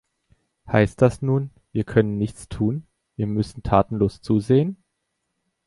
Heißt das nun, wir können nichts tun, wir müssen tatenlos zusehen?